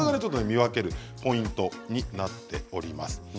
見分けるポイントになっています。